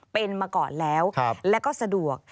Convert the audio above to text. เป็นมาก่อนแล้วแล้วก็สะดวก